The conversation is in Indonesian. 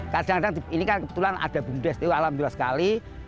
kadang kadang ini kan kebetulan ada bumdes itu alhamdulillah sekali